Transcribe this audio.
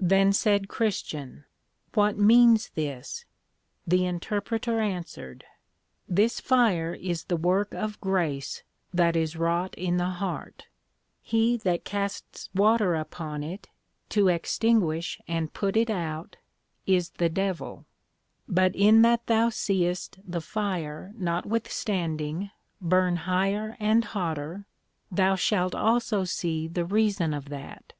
Then said Christian, What means this? The Interpreter answered, This Fire is the work of Grace that is wrought in the heart; he that casts Water upon it, to extinguish and put it out, is the Devil; but in that thou seest the Fire notwithstanding burn higher and hotter, thou shalt also see the reason of that.